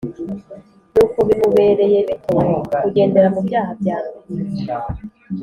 Nuko bimubereye bito kugendera mu byaha byambere